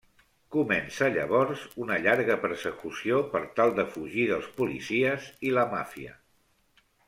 Comença llavors una llarga persecució per tal de fugir dels policies i la màfia.